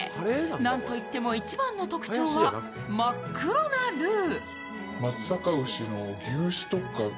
なんと言っても一番の特徴は真っ黒なルー。